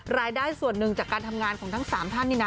รายได้ส่วนหนึ่งจากการทำงานของทั้ง๓ท่านนี่นะ